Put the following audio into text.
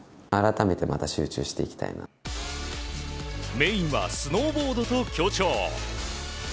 メインはスノーボードと強調。